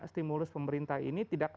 stimulus pemerintah ini tidak